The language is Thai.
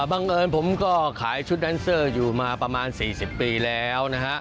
บังเอิญผมก็ขายชุดแดนเซอร์อยู่มาประมาณ๔๐ปีแล้วนะฮะ